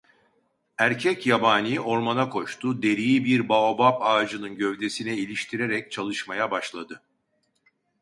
Erkek yabani ormana koştu, deriyi bir baobap ağacının gövdesine iliştirerek çalışmaya başladı.